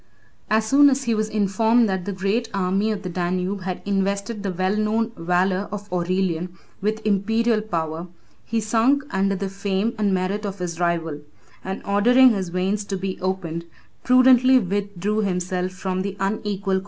As soon as he was informed that the great army of the Danube had invested the well known valor of Aurelian with Imperial power, he sunk under the fame and merit of his rival; and ordering his veins to be opened, prudently withdrew himself from the unequal contest.